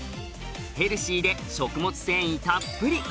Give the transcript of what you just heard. ヘルシーで食物繊維たっぷり。